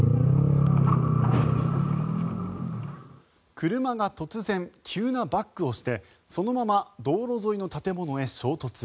車が突然、急なバックをしてそのまま道路沿いの建物へ衝突。